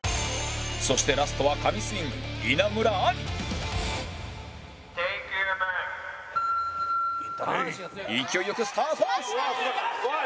そしてラストは神スイング稲村亜美「テイクユアマーク」勢いよくスタート！